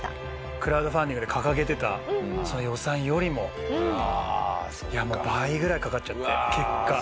クラウドファンディングで掲げてた予算よりももう倍ぐらいかかっちゃって結果。